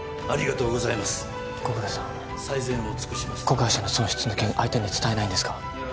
子会社の損失の件相手に伝えないんですか？